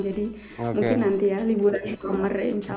jadi mungkin nanti ya libur di kamar insya allah